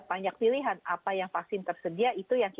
vaksin yang terbatas